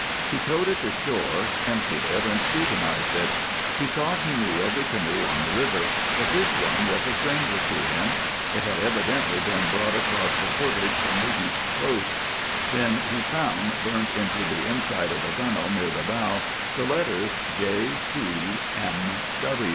He towed it to shore, emptied it, and scrutinized it. He thought he knew every canoe on the river, but this one was a stranger to him. It had evidently been brought across the Portage from the east coast. Then he found, burnt into the inside of the gunwale near the bow, the letters J. C. M.